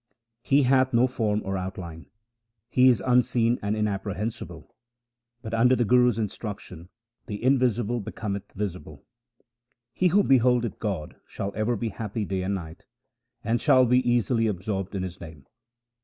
He hath no form or outline ; He is unseen and inappre hensible ; but under the Guru's instruction the Invisible become th visible. He who beholdeth God shall ever be happy day and night, and shall be easily absorbed in His name.